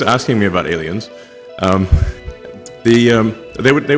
mereka akan menamakan kita air